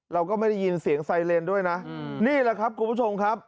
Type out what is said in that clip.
เราก็ไม่ได้ยินเสียงไซเรนด้วยนะนี่แหละครับคุณผู้ชมครับ